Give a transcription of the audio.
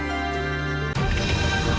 saya akan mencari kepuasan